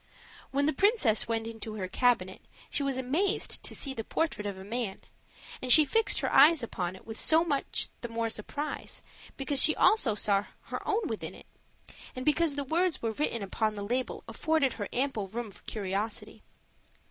When the princess went into her cabinet, she was amazed to see the portrait of a man; and she fixed her eyes upon it with so much the more surprise, because she also saw her own with it, and because the words which were written upon the label afforded her ample room for curiosity.